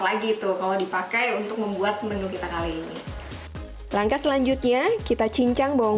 lagi tuh kalau dipakai untuk membuat menu kita kali ini langkah selanjutnya kita cincang bawang